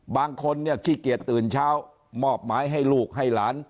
บางคนเนี่ยขี้เกียจตื่นเช้ามอบหมายให้ลูกให้หลาน